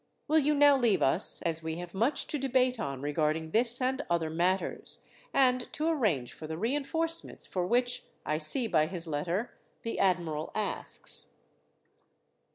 Will you now leave us, as we have much to debate on regarding this and other matters, and to arrange for the reinforcements for which, I see by his letter, the admiral asks.